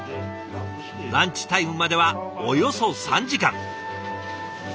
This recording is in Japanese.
ランチタイムまではおよそ３時間。